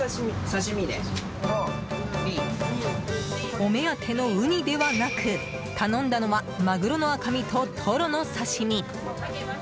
お目当てのウニではなく頼んだのはマグロの赤身とトロの刺し身。